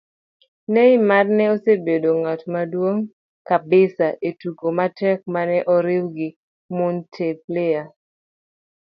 Neymar ne osebedo ng'at maduog' kabisa e tugo matek mane oriwe gi Montpellier